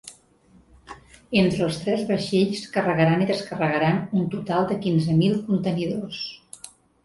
Entre els tres vaixells carregaran i descarregaran un total de quinze mil contenidors.